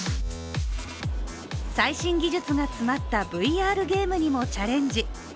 最新技術が詰まったＶＲゲームにもチャレンジ。